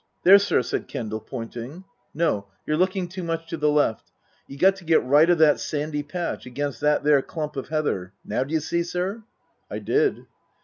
" There, sir," said Kendal, pointing. " No. You're looking too much to the left. You got to get right o' thet sandy patch against thet there clump of heather. Now d'you see, sir ?" I did.